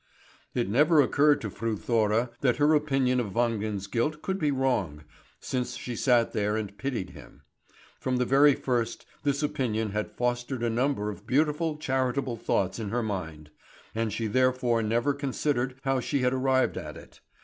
It never occurred to Fru Thora that her opinion of Wangen's guilt could be wrong, since she sat there and pitied him. From the very first this opinion had fostered a number of beautiful, charitable thoughts in her mind; and she therefore never considered how she had arrived at it.